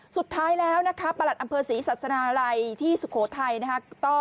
สุดท้ายแล้วนะคะประหลัดอำเภอศรีศาสนาลัยที่สุโขทัยนะครับ